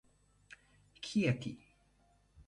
Chieti.